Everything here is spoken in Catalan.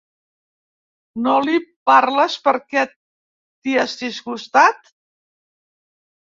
No li parles perquè t'hi has disgustat?